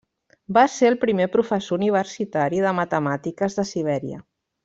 Va ser el primer professor universitari de matemàtiques de Sibèria.